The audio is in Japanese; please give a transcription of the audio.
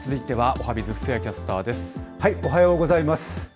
おはようございます。